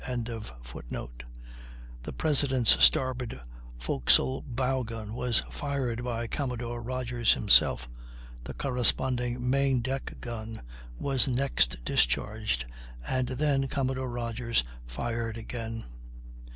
] the President's starboard forecastle bowgun was fired by Commodore Rodgers himself; the corresponding main deck gun was next discharged, and then Commodore Rodgers fired again.